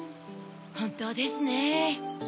ほんとうですねぇ。